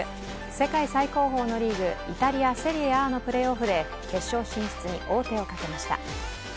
世界最高峰のリーグ・イタリア・セリエＡのプレーオフで決勝進出に王手をかけました。